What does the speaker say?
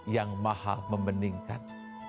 yang maha membeningkan